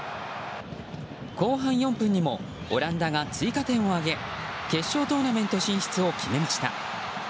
後半４分にもオランダが追加点を挙げ決勝トーナメント進出を決めました。